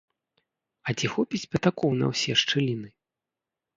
А ці хопіць пятакоў на ўсе шчыліны?